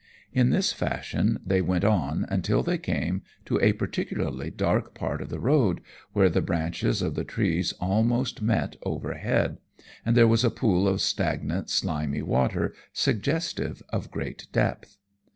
In this fashion they went on, until they came to a particularly dark part of the road, where the branches of the trees almost met overhead, and there was a pool of stagnant, slimy water, suggestive of great depth.